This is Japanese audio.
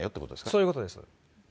そういうことです。